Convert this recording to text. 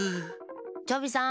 チョビさん！